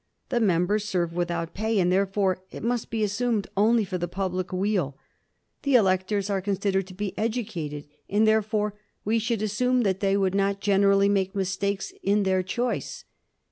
The members serve without pay and, therefore, it must be assumed only for the public weal. The electors are considered to be educated and, therefore, we should assume that they would not generally make mistakes in their choice.